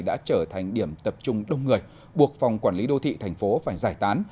đã trở thành điểm tập trung đông người buộc phòng quản lý đô thị thành phố phải giải tán